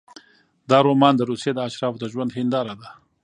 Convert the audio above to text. دا رومان د روسیې د اشرافو د ژوند هینداره ده.